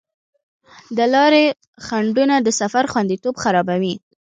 د لارې خنډونه د سفر خوندیتوب خرابوي.